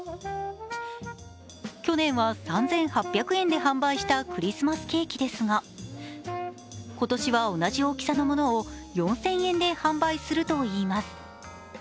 去年は３８００円で販売したクリスマスケーキですが、今年は同じ大きさのものを４０００円で販売するといいます。